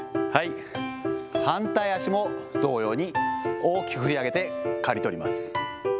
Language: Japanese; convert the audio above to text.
反対足も同様に、大きく振り上げて刈り取ります。